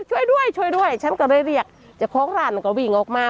ช่วยด้วยช่วยด้วยฉันก็เลยเรียกเจ้าของร้านมันก็วิ่งออกมา